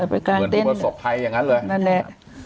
ไปกลางเต็นต์เหมือนที่ประสบไทยอย่างงั้นเลยนั่นแหละ